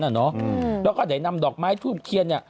แล้วก็ได้นำดอกไม้ทูตเทียน